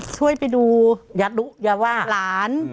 ช่วยไปดูหลาน